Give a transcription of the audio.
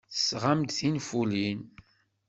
Tesɣam-d tinfulin?